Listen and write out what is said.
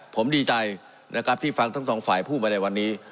ผมดีใจนะครับที่ฟังทั้งสองฝ่ายพูดมาในวันนี้